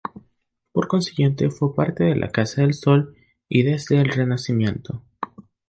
Por consiguiente, fue parte de la Casa del Sol, ya desde el Renacimiento.